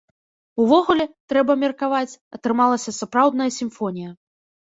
Увогуле, трэба меркаваць, атрымалася сапраўдная сімфонія.